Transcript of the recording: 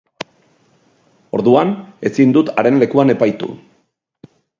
Orduan, ezin dut haren lekuan epaitu.